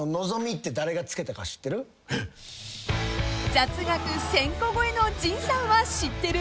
［雑学１，０００個超えの陣さんは知ってる？］